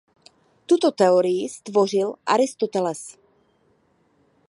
Tuto teorii stvořil Aristoteles.